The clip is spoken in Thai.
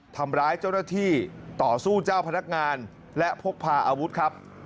ทำร้ายเจ้าหน้าที่ต่อสู้เจ้าพนักงานและพกพาอาวุธครับ